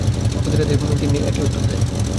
প্রতি রাতেই তিন্নি একই উত্তর দেয়।